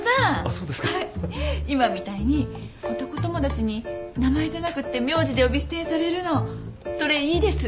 今みたいに男友達に名前じゃなくって名字で呼び捨てにされるのそれいいです。